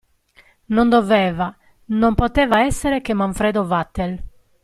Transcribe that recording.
Non doveva, non poteva essere che Manfredo Vatel!